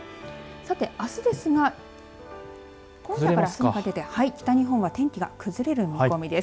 さて、あすですが今夜からあすにかけて北日本は天気が崩れる見込みです。